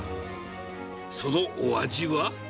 そのお味は。